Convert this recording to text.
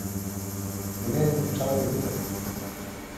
Tienen un sabor dulce.